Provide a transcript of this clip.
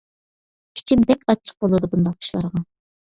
ئىچىم بەك ئاچچىق بولىدۇ بۇنداق ئىشلارغا.